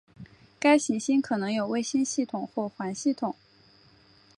该行星可能有卫星系统或环系统。